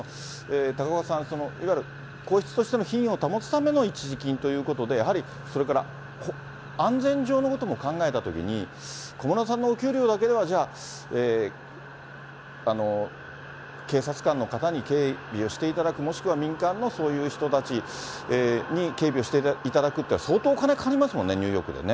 高岡さん、いわゆる皇室としての品位を保つための一時金ということで、やはりそれから、安全上のことも考えたときに、小室さんのお給料だけでは、じゃあ、警察官の方に警備をしていただく、もしくは民間のそういう人たちに警備をしていただくっていうのは、相当お金かかりますもんね、ニューヨークでね。